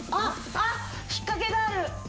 あっ引っかけがある。